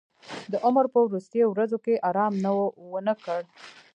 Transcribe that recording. د عمر په وروستیو ورځو کې ارام ونه کړ.